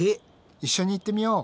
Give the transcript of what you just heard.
一緒に行ってみよう！